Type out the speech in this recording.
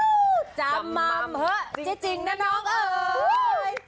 อักรูจะม่ำเหอะจริงนะน้องเอ๋ย